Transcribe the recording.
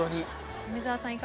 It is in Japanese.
梅沢さん